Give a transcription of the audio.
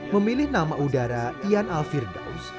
memilih nama udara ian alvirdaus